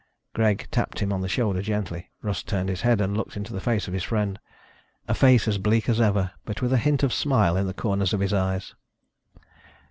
Greg tapped him on the shoulder, gently. Russ turned his head and looked into the face of his friend, a face as bleak as ever, but with a hint of smile in the corners of the eyes.